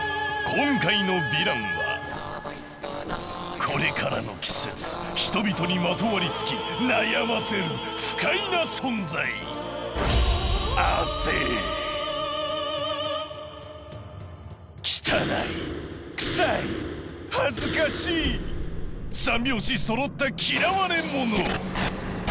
今回のヴィランはこれからの季節人々にまとわりつき悩ませる不快な存在三拍子そろった嫌われもの！